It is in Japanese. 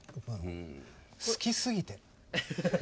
好きすぎて。